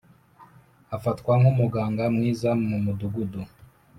afatwa nkumuganga mwiza mumudugudu.